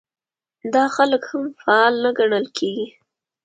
دا خلک هم فعال نه ګڼل کېږي.